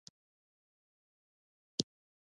په داخلي غوږ کې درې نیم دایروي سوري شته.